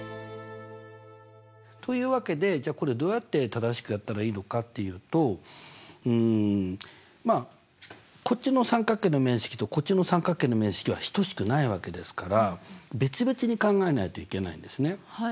というわけでじゃあこれをどうやって正しくやったらいいのかっていうとうんまあこっちの三角形の面積とこっちの三角形の面積は等しくないわけですから別々に考えないといけないんですね。